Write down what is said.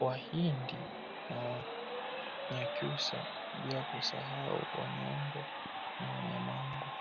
Wanindi na Wanyakyusa bila kusahau Wanyambo na Wanyamwanga